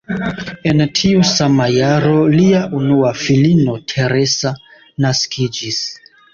En tiu sama jaro lia unua filino Teresa naskiĝis.